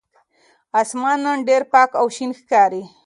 آسمان نن ډېر پاک او شین ښکاري.